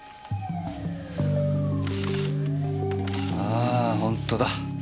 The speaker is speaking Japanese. あ本当だ。